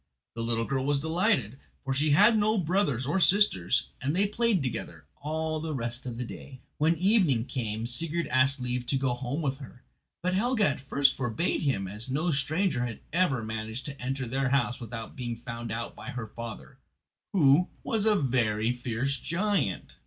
The little girl was delighted, for she had no brothers or sisters, and they played together all the rest of the day. When evening came Sigurd asked leave to go home with her, but Helga at first forbade him, as no stranger had ever managed to enter their house without being found out by her father, who was a very fierce giant.